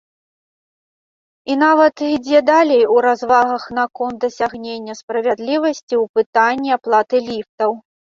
І нават ідзе далей у развагах наконт дасягнення справядлівасці ў пытанні аплаты ліфтаў.